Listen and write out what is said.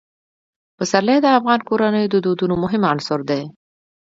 پسرلی د افغان کورنیو د دودونو مهم عنصر دی.